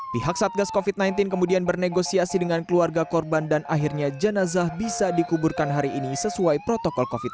pihak satgas covid sembilan belas kemudian bernegosiasi dengan keluarga korban dan akhirnya jenazah bisa dikuburkan hari ini sesuai protokol covid sembilan belas